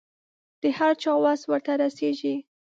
د هر چا وس ورته رسېږي.